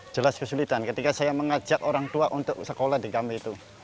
jelas kesulitan ketika saya mengajak orang tua untuk sekolah di kami itu